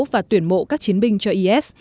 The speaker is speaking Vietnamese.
và tuyển mộ các chiến binh cho is